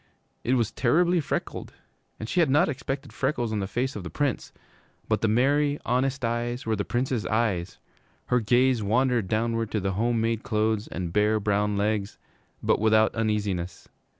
It was terribly freckled, and she had not expected freckles on the face of the Prince. But the merry, honest eyes were the Prince's eyes. Her gaze wandered downward to the home made clothes and bare, brown legs, but without uneasiness.